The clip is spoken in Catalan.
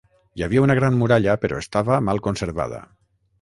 Hi havia una gran muralla però estava mal conservada.